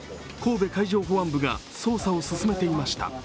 神戸海上保安部が捜査を進めていました。